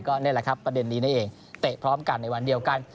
นี่แหละครับประเด็นนี้นั่นเองเตะพร้อมกันในวันเดียวกัน